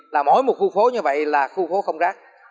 là mỗi một khu phố như vậy là khu phố không rác